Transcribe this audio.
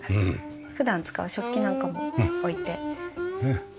普段使う食器なんかも置いてます。